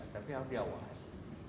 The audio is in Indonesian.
tapi harus diawasi